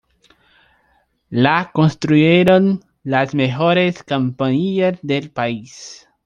La construyeron las mejores compañías del país.